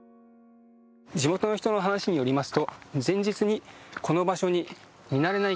地元の人の話によりますと前日にこの場所に見慣れない